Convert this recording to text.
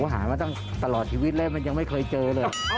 หามาตั้งตลอดชีวิตเลยมันยังไม่เคยเจอเลย